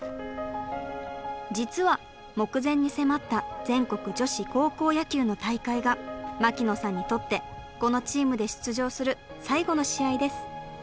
実は目前に迫った全国女子高校野球の大会が牧野さんにとってこのチームで出場する最後の試合です。